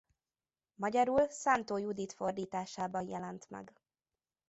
Magyarul Szántó Judit fordításában jelent meg.